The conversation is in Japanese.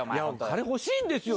金欲しいんですよ。